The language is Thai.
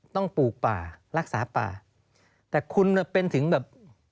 ปลูกป่ารักษาป่าแต่คุณเป็นถึงแบบ